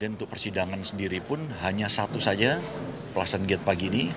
untuk persidangan sendiri pun hanya satu saja pelaksanaan gate pagi ini